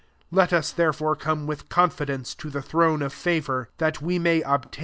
16 Let us therefore come with confidence to the throne of favour, that we may • Gr.